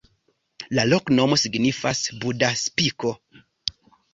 La loknomo signifas: Buda-spiko.